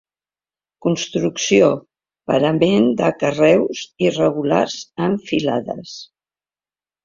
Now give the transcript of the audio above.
Construcció: parament de carreus irregulars, en filades.